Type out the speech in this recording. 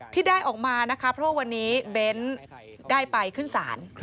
ที่ได้ออกมานะคะเพราะวันนี้เบ้นได้ไปขึ้นศาล